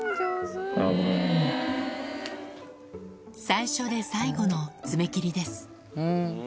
最初で最後の爪切りです